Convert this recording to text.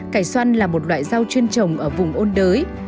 cải xoăn là một loại rau chuyên trồng ở vùng ôn đới